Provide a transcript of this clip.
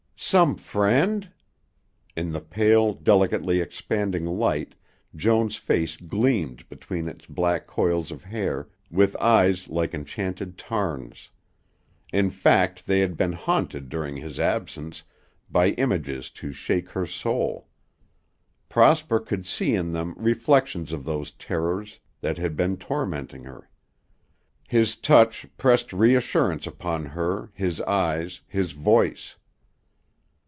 "Some friend?" In the pale, delicately expanding light Joan's face gleamed between its black coils of hair with eyes like enchanted tarns. In fact they had been haunted during his absence by images to shake her soul. Prosper could see in them reflections of those terrors that had been tormenting her. His touch pressed reassurance upon her, his eyes, his voice.